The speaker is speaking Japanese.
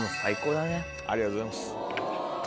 ありがとうございます。